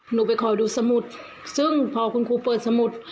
หนูไปคอยดูสมุดซึ่งพอคุณครูเปิดสมุด